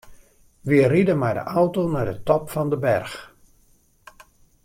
Wy ride mei de auto nei de top fan de berch.